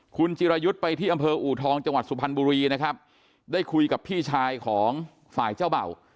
คุณจิรายุทธ์ไปที่อำเภออูทองจังหวัดสุพรรณบุรีนะครับได้คุยกับพี่ชายของฝ่ายเจ้าเบ่า